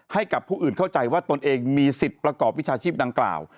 ให้กับผู้อื่นเข้าใจว่าตนเองมีสิทธิ์ประกอบวิชาชีพดังกล่าว